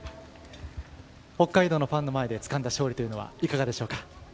北海道のファンの前でつかんだ勝利というのはいかがでしょうか？